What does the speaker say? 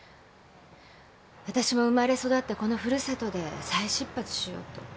私も生まれ育ったこの古里で再出発しようと。